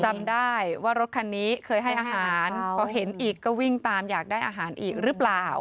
จำได้ว่ารถคันนี้เคยให้อาหารพอเห็นอีกก็วิ่งตามอยากได้อาหารอีกหรือเปล่า